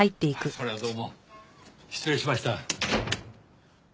それはどうも失礼しました。